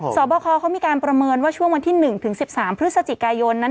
สอบคอเขามีการประเมินว่าช่วงวันที่๑ถึง๑๓พฤศจิกายนนั้น